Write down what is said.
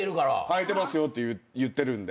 「はいてますよ」って言ってるんで。